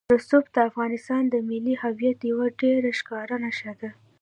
رسوب د افغانستان د ملي هویت یوه ډېره ښکاره نښه ده.